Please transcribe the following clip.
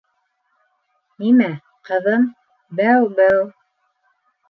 Нимә, ҡыҙым, бәү, бәү...